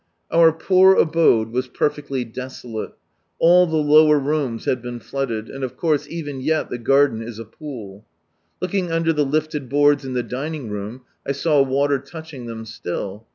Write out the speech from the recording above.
Our poor abode was perfectly desolate. All the lower rooms had been flooded, and of course even yet the garden is a pool. Looking under the lifted boards in the dining room, I saw water touching them still.